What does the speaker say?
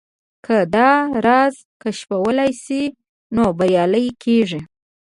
که دا راز کشفولای شئ نو بريالي کېږئ.